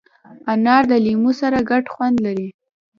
انار د لیمو سره ګډ خوند لري.